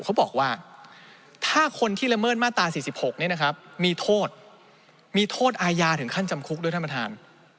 เขาบอกว่าถ้าคนที่ละเมิดมาตรา๔๖นี้นะครับมีโทษมีโทษอาญาถึงขั้นจำคุกด้วยท่านประธาน